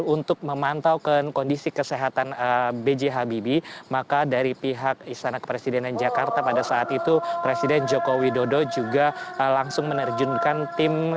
untuk memantaukan kondisi kesehatan bj habibi maka dari pihak istana kepresidenan jakarta pada saat itu presiden joko widodo juga langsung menerjunkan tim dokter kepresidenan